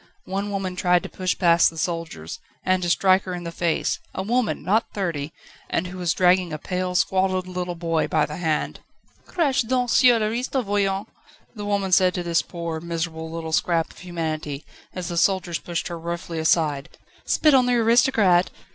One woman tried to push past the soldiers, and to strike her in the face a woman! not thirty! and who was dragging a pale, squalid little boy by the hand. "Crache donc sur l'aristo, voyons!" the woman said to this poor, miserable little scrap of humanity as the soldiers pushed her roughly aside. "Spit on the aristocrat!"